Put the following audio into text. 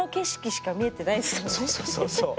そうそうそうそう。